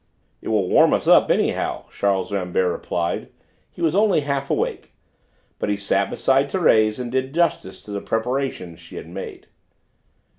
"It will warm us up anyhow," Charles Rambert replied; he was only half awake, but he sat beside Thérèse, and did justice to the preparations she had made.